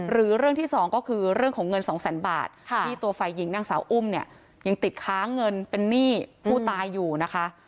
เรื่องที่สองก็คือเรื่องของเงินสองแสนบาทที่ตัวฝ่ายหญิงนางสาวอุ้มเนี่ยยังติดค้างเงินเป็นหนี้ผู้ตายอยู่นะคะ